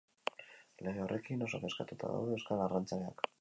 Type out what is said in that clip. Lege horrekin oso kezkatuta daude euskal arrantzaleak.